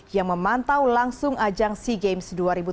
yang memantau langsung ajang sea games dua ribu tujuh belas